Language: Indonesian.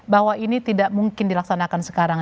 bahwa ini tidak mungkin dilaksanakan sekarang